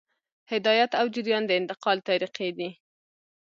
هدایت او جریان د انتقال طریقې دي.